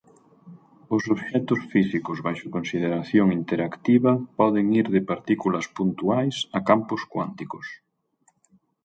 Os obxectos físicos baixo consideración interactiva poden ir de partículas puntuais a campos cuánticos.